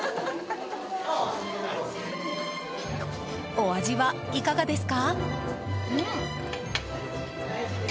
お味はいかがですか？